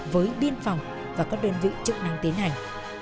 với biên phòng và các đơn vị chức năng tiến hành